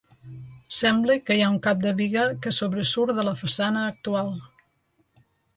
Sembla que hi ha un cap de biga que sobresurt de la façana actual.